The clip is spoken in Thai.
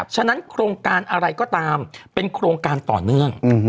ฉะนั้นโครงการอะไรก็ตามเป็นโครงการต่อเนื่อง